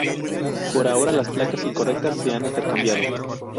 Por ahora las placas incorrectas se han intercambiado.